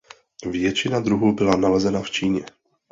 Většina druhů byla nalezena v Číně.